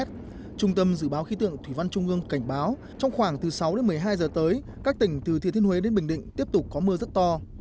trung tâm dự báo khí tượng thủy văn trung ương cảnh báo trong khoảng từ sáu đến một mươi hai giờ tới các tỉnh từ thiên huế đến bình định tiếp tục có mưa rất to